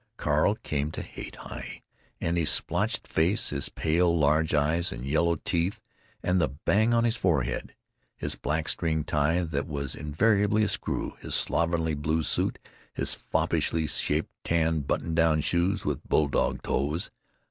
Carl came to hate Heye and his splotched face, his pale, large eyes and yellow teeth and the bang on his forehead, his black string tie that was invariably askew, his slovenly blue suit, his foppishly shaped tan button shoes with "bulldog" toes.